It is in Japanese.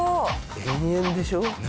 延々でしょ？